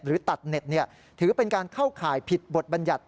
ตัดเน็ตถือเป็นการเข้าข่ายผิดบทบัญญัติ